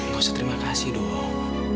gak usah terima kasih dong